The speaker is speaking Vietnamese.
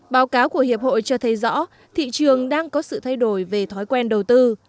báo cáo của hiệp hội cho thấy rõ thị trường đang có sự thay đổi về thói quen đầu tư